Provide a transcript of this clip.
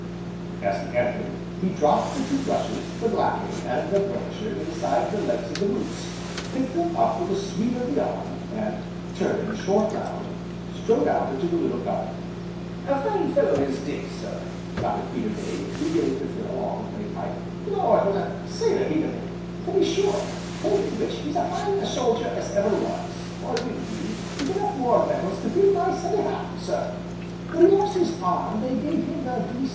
As he ended, he dropped the two brushes, the blacking, and the burnisher inside the legs of the boots, picked them up with a sweep of the arm, and, turning short round, strode out into the little garden. "A fine fellow is Dick, sir!" nodded Peterday, beginning to fill a long clay pipe, "Lord! what a sailor he 'd ha' made, to be sure! failing which he's as fine a soldier as ever was, or will be, with enough war medals to fill my Sunday hat, sir. When he lost his arm they gave him the V.